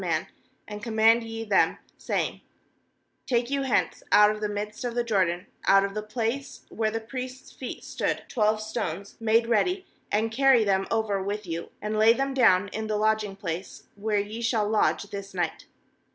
Ti, 3and command ye them, saying: Take you hence out of the midst of the Jordan, out of the place where the priests' feet stood, twelve stones jmade ready, and carry them over with you, and lay them down in the lodging place, where ye shall lodge this night.'